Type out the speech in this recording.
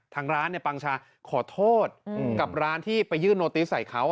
ทางร้านปังชาขอโทษกับร้านที่ไปยื่นโนติสใส่เขา